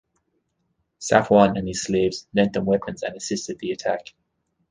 Safwan and his slaves lent them weapons and assisted the attack.